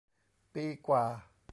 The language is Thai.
ปีกว่า